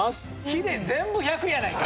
ヒデ全部１００やないか！